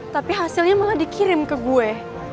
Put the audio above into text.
tapi hasilnya malah dikirim ke gue